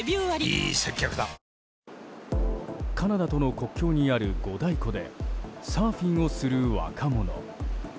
カナダとの国境にある五大湖でサーフィンをする若者。